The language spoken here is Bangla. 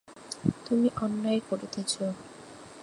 তুমি অন্যায় করিতেছ।